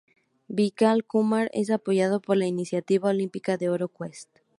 Vijay Kumar es apoyado por la iniciativa olímpica de oro Quest.